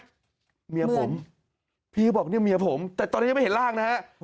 เมียผมพี่บอกเนี่ยเมียผมแต่ตอนนี้ยังไม่เห็นร่างนะฮะ